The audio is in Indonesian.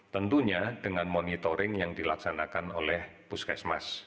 tentunya dengan monitoring yang dilaksanakan oleh puskesmas